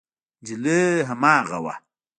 نجلۍ هماغه وه.